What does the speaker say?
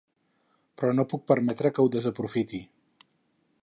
Però no puc permetre que ho desaprofiti.